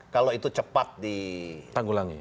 kalau itu cepat ditanggulangi